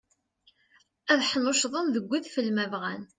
Ad ḥnuccḍen deg udfel ma bɣan.